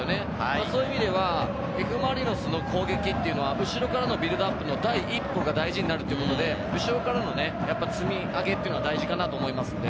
そういう意味ではＦ・マリノスの攻撃は後ろからのビルドアップが大事になってくるので、後ろからの積み上げが大事だと思いますね。